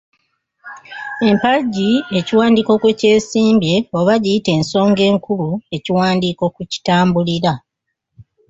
Eempagi ekiwandiiko kwe kyesigamye oba giyite ensonga enkulu ekiwandiiko kwe kitambulira.